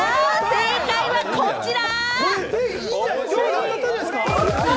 正解はこちら！